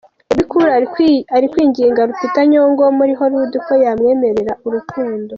Bebe Cool ari kwingiga Lupita Nyong’o wo muri Hollywood ko ya yamwereka urukundo.